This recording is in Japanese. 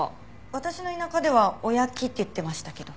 私の田舎ではおやきって言ってましたけど。